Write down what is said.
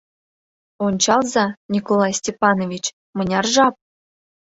— Ончалза, Николай Степанович, мыняр жап?